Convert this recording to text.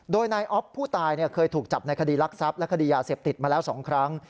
โดยนายอ๊อฟผู้ตายเคยถูกจับในคดีรักทรัพย์และคดียาเสพติดมาแล้ว๒ครั้ง